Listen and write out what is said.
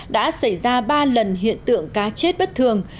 đã xảy ra ba lần hiện tượng cá chết bất thường